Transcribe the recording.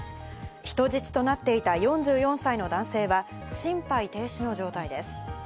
人質となっていた４４歳の男性は心肺停止の状態です。